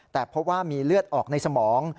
แต่พบว่ามีเลือดออกในสมอง